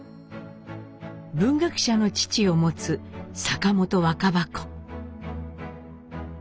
文学者の父を持つ坂本若葉子。